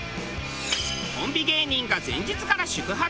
コンビ芸人が前日から宿泊。